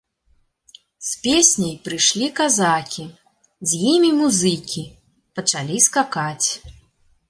З песняй прыйшлі казакі, з імі музыкі, пачалі скакаць.